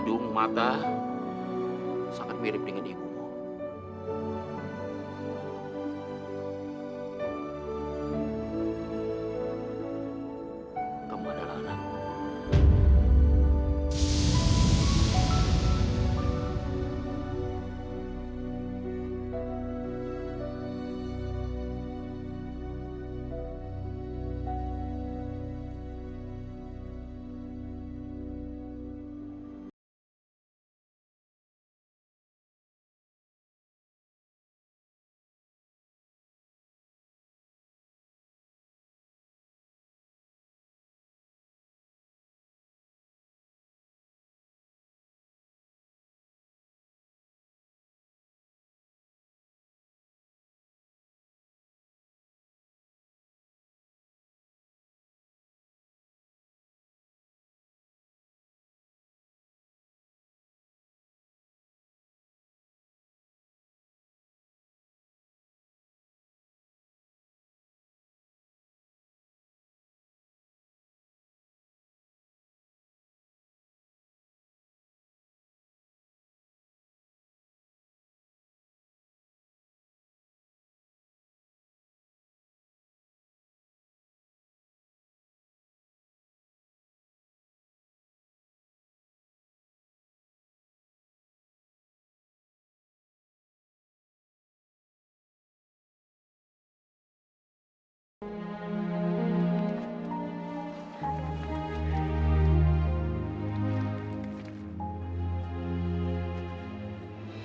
untuk saat ini dalam diyorsun